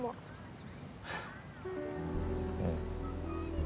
うん。